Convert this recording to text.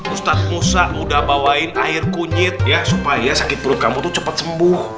ustadz musa udah bawain air kunyit ya supaya sakit perut kamu tuh cepat sembuh